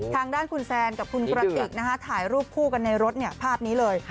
ทางด้านคุณแซนกับคุณกระติกถ่ายรูปคู่กันในรถภาพนี้เลย